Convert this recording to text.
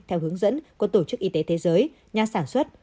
theo hướng dẫn của tổ chức y tế thế giới nhà sản xuất